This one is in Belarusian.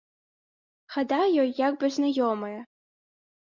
Хада ёй як бы знаёмая.